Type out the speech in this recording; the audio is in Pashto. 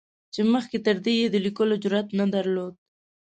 چې مخکې تر دې یې د لیکلو جرعت نه درلود.